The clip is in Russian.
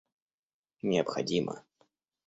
необходимо